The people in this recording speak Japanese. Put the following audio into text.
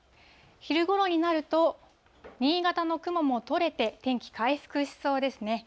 昼ごろになると、新潟の雲も取れて、天気回復しそうですね。